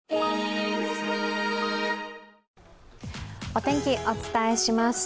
お天気、お伝えします。